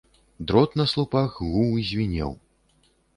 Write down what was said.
Дрот на слупах гуў і звінеў.